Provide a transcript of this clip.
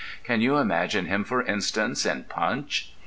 Can you imagine him, for instance, in Punch?